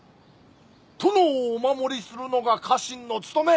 殿をお守りするのが家臣の務め。